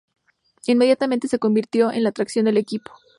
Inmediatamente se convirtió en la atracción del equipo.